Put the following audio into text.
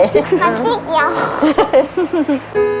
ฝันสิ่งเดียว